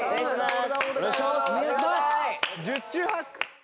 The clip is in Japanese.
十中八九！